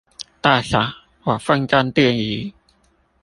大嫂，我奉上奠儀